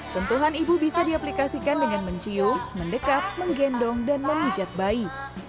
sentuhan ibu bisa diaplikasikan dengan mencium mendekat menggendong dan memijat bayi